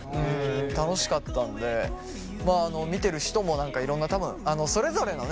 楽しかったんで見てる人も何かいろんな多分それぞれのね